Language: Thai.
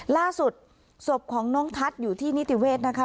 ล่าสุดศพของน้องทัศน์อยู่ที่นิติเวศนะคะ